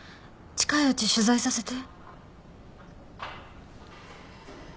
近いうち取材させて。